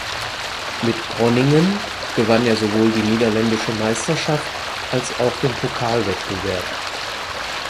Mit Groningen gewann er sowohl die niederländische Meisterschaft als auch den Pokalwettbewerb.